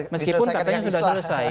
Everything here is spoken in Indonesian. meskipun katanya sudah selesai